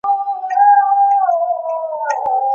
که چا وويل د اضطرار په حالت کي حرام حلاليږي، هغه نه کافر کيږي.